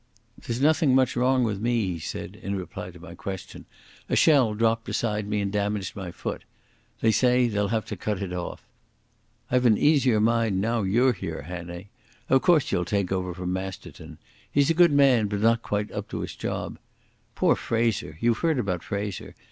"There's nothing much wrong with me," he said, in reply to my question. "A shell dropped beside me and damaged my foot. They say they'll have to cut it off.... I've an easier mind now you're here, Hannay. Of course you'll take over from Masterton. He's a good man but not quite up to his job. Poor Fraser—you've heard about Fraser.